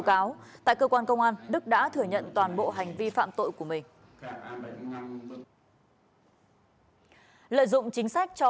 cáo tại cơ quan công an đức đã thừa nhận toàn bộ hành vi phạm tội của mình lợi dụng chính sách cho